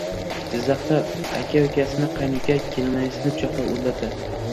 Jizzaxda uka akasini, qaynuka kelinoyisini pichoqlab o‘ldirdi